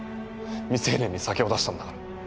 未成年に酒を出したんだから。